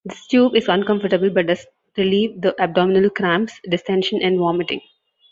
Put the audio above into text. This tube is uncomfortable but does relieve the abdominal cramps, distention, and vomiting.